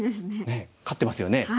ねえ勝ってますよね。